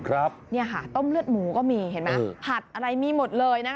เนี่ยค่ะต้มเลือดหมูก็มีเห็นไหมผัดอะไรมีหมดเลยนะคะ